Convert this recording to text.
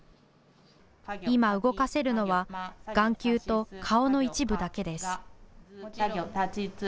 今、動かせるのは眼球と顔の一部だけです。